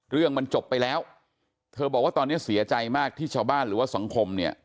เรื่องมันจบไปแล้วเธอบอกว่าตอนนี้เสียใจมากที่ชาวบ้านหรือว่าสังคมเนี่ย